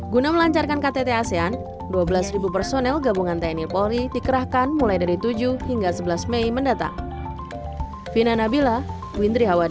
guna melancarkan ktt asean dua belas personel gabungan tni polri dikerahkan mulai dari tujuh hingga sebelas mei mendatang